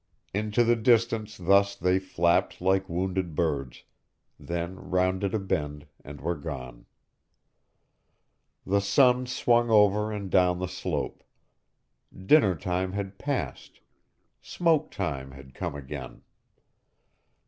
Into the distance thus they flapped like wounded birds; then rounded a bend, and were gone. The sun swung over and down the slope. Dinner time had passed; "smoke time" had come again.